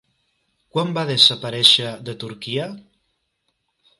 Quan va desaparèixer de Turquia?